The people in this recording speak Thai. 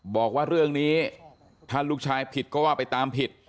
บอกว่าเรื่องนี้ถ้าลูกชายผิดก็ว่าไปตามผิด